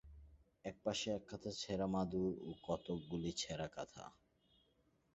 একপাশে একখানা ছেঁড়া মাদুর ও কতকগুলি ছেঁড়া কাঁথা।